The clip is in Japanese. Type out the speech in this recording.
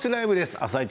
「あさイチ」